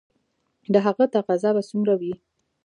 د هغه تقاضا به څومره وي؟